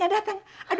cuarto belakang falsim